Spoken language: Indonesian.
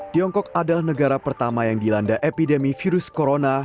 tiongkok adalah negara pertama yang dilanda epidemi virus corona